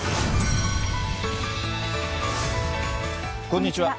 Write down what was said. こんにちは。